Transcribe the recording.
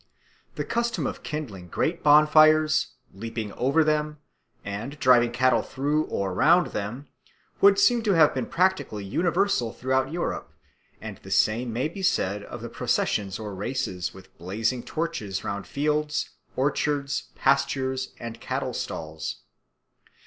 The custom of kindling great bonfires, leaping over them, and driving cattle through or round them would seem to have been practically universal throughout Europe, and the same may be said of the processions or races with blazing torches round fields, orchards, pastures, or cattle stalls.